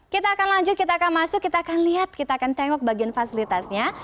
kita akan lanjut kita akan masuk kita akan lihat kita akan tengok bagian fasilitasnya